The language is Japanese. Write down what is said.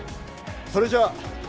それじゃあ。